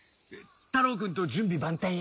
太郎くんと準備万端や。